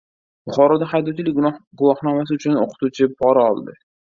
Buxoroda haydovchilik guvohnomasi uchun o‘qituvchi pora oldi